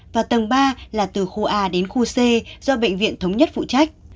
và tầng ba là từ khu a đến khu c do bệnh viện thống nhất phụ trách